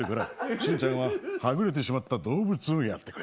しんちゃんははぐれてしまった動物をやってくれ。